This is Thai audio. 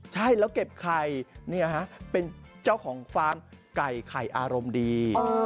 ใช่แล้วเก็บไข่เป็นเจ้าของฟาร์มไก่ไข่อารมณ์ดี